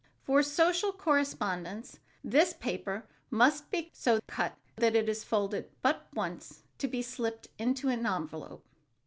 For social correspondence this paper must be so cut that it is folded but once to be slipped into an envelope.